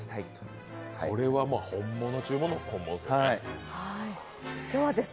これは本物中の本物ですね。